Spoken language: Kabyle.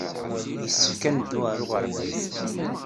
Yessefk ad neddu ɣer uɣerbaz.